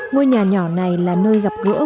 ngôi nhà nhỏ này là nơi gặp gỡ